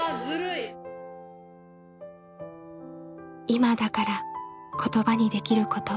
今だから言葉にできること。